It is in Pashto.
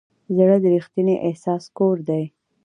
زړه د ریښتیني احساس کور دی.